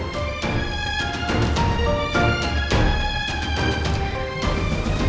belum dibawa ke dokter juga